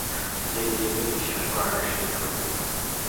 যে নিজেকে বিশ্বাস করে না, সেই নাস্তিক।